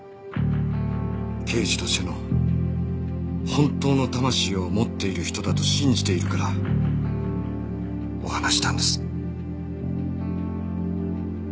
刑事としての本当の魂を持っている人だと信じているからお話ししたんです。